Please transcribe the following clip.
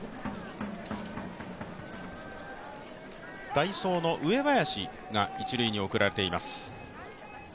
代走の上林が一塁に送られています。